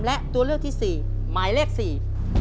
และตัวเลือกที่สี่หมายเลขสี่